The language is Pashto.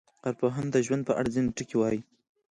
ارواپوهنه د ژوند په اړه ځینې ټکي وایي.